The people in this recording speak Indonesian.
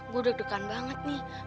gue deg degan banget nih